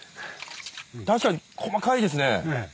確かに細かいですね。